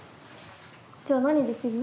じゃあ何できる？